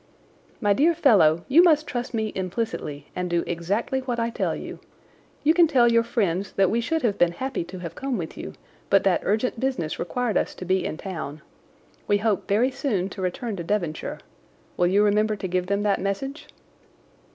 "My dear fellow, you must trust me implicitly and do exactly what I tell you. You can tell your friends that we should have been happy to have come with you, but that urgent business required us to be in town. We hope very soon to return to Devonshire. Will you remember to give them that message?"